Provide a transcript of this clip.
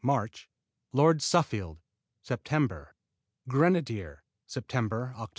March Lord Suffield Sept. Grenadier Sept., Oct.